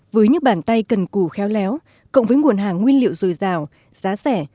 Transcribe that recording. với những bàn tay cần cù khéo léo cộng với nguồn hàng nguyên liệu dồi dào giá rẻ